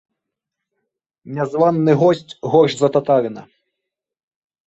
Нязваны госць горш за татарына.